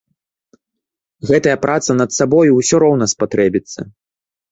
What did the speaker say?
Гэтая праца над сабою ўсё роўна спатрэбіцца.